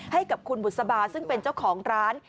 ให้กับคุณบุษบาซึ่งเป็นเจ้าของร้าน